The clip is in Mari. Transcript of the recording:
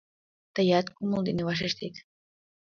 Тыят кумыл ден вашештет.